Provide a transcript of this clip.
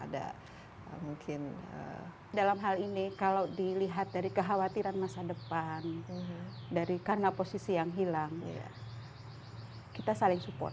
ada mungkin dalam hal ini kalau dilihat dari kekhawatiran masa depan karena posisi yang hilang kita saling support